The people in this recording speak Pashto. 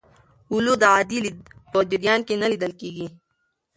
اولو د عادي لید په جریان کې نه لیدل کېږي.